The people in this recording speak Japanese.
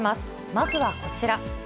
まずはこちら。